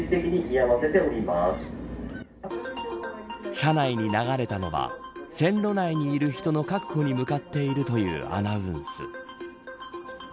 車内に流れたのは線路内にいる人の確保に向かっているというアナウンス。